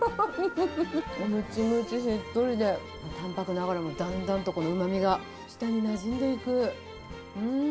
むちむちしっとりで、淡白ながらもだんだんとこのうまみが舌になじんでいく。